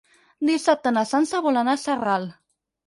Dissabte na Sança vol anar a Sarral.